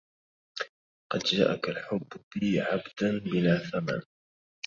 قد جاءك الحب بي عبدا بلا ثمن